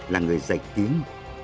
là người dạy tiếng